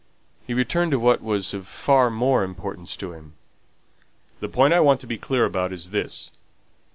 He returned to what was of far more importance to him. "The point I want to be clear about is this.